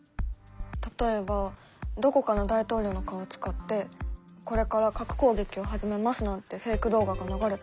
例えばどこかの大統領の顔を使って「これから核攻撃を始めます」なんてフェイク動画が流れたら。